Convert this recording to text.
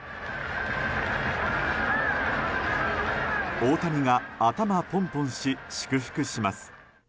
大谷が頭ポンポンし祝福します。